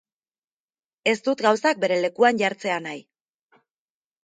Ez dut gauzak bere lekuan jartzea nahi.